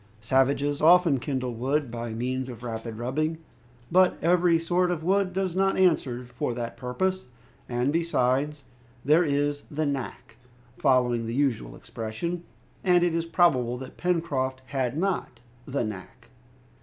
Savages often kindle wood by means of rapid rubbing. But every sort of wood does not answer for the purpose, and besides, there is "the knack," following the usual expression, and it is probable that Pencroft had not "the knack."